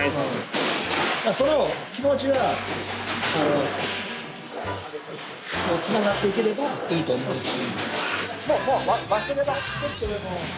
それを気持ちがつながっていければいいと思うし。